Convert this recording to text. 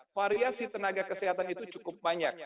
variasi tenaga kesehatan itu cukup banyak